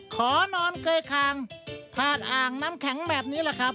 ขอนอนเกยคางผ่านอ่างน้ำแข็งแบบนี้แหละครับ